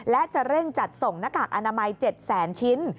และจะเร่งจัดส่งหน้ากากอนามัย๗แสนชิ้น